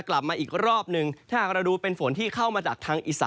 จะกลับมาอีกรอบนึงถ้าเราดูเป็นฝนที่เข้ามาจากทางอิสานนะครับ